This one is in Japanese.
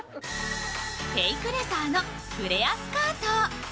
フェイクレザーのフレアスカート。